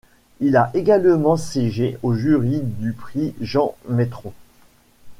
Il a également siégé au jury du prix Jean Maitron.